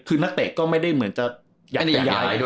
คือนักเตะก็ไม่ได้เหมือนจะอยากจะย้ายด้วย